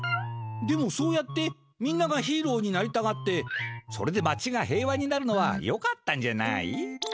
でもそうやってみんながヒーローになりたがってそれで町が平和になるのはよかったんじゃない？